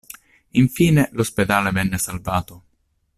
Infine l'ospedale venne salvato.